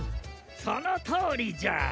そのとおりじゃ！